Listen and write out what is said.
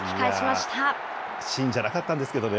しんじゃなかったんですけどね。